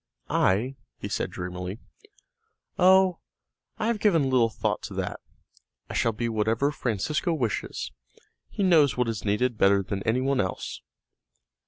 "I?" he said dreamily. "Oh, I have given little thought to that, I shall be whatever Francesco wishes; he knows what is needed better than any one else."